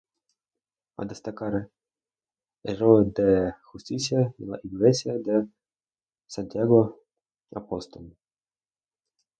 A destacar el Rollo de Justicia y la iglesia de Santiago Apóstol.